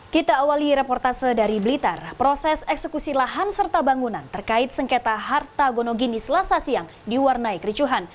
kita awali reportase dari blitar proses eksekusi lahan serta bangunan terkait sengketa harta gonogini selasa siang diwarnai kericuhan